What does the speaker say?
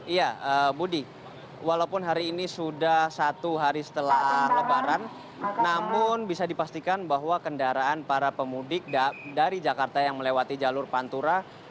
iya budi walaupun hari ini sudah satu hari setelah lebaran namun bisa dipastikan bahwa kendaraan para pemudik dari jakarta yang melewati jalur pantura